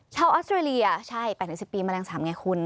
ชาวออสเตอรียาใช่๘ถึง๑๐ปีแมลงสาปไงคุณ